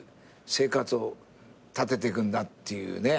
生活を立てていくんだっていうね。